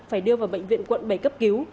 phải đưa vào bệnh viện quận bảy cấp cứu